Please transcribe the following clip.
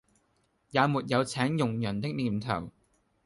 也沒有請佣人的念頭